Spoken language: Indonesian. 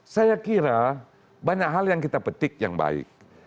saya kira banyak hal yang kita petik yang baik